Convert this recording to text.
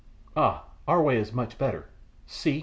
"Ah! our way is much the better. See!"